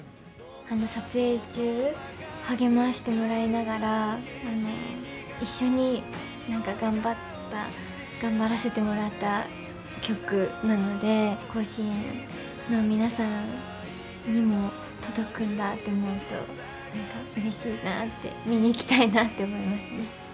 撮影中、励ましてもらいながら一緒に頑張った頑張らせてもらった曲なので甲子園の皆さんにも届くんだと思うとうれしいなって見に行きたいなって思いますね。